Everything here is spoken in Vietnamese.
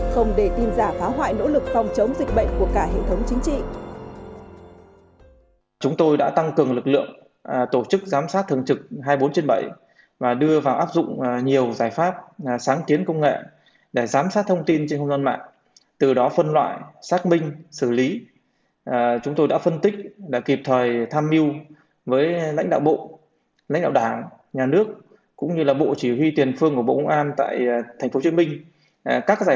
không để tin giả phá hoại nỗ lực phòng chống dịch bệnh của cả hệ thống chính trị